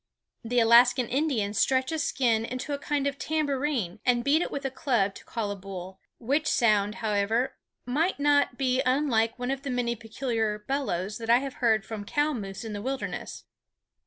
The Alaskan Indians stretch a skin into a kind of tambourine and beat it with a club to call a bull; which sound, however, might not be unlike one of the many peculiar bellows that I have heard from cow moose in the wilderness.